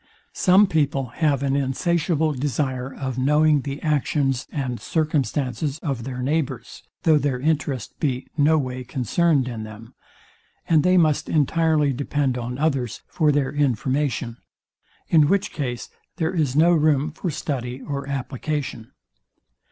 Some people have an insatiable desire of knowing the actions and circumstances of their neighbours, though their interest be no way concerned in them, and they must entirely depend on others for their information; in which case there is no room for study or application.